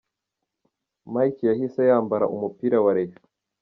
Mike yahise yambara umupira wa Rayons.